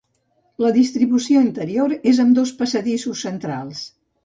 La distribució interior és amb dos passadissos centrals.